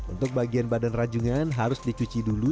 untuk bagian badan rajungan harus dicuci dulu